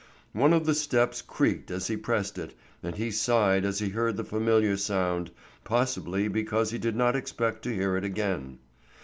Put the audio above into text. One of the steps creaked as he pressed it, and he sighed as he heard the familiar sound, possibly because he did not expect to hear it again.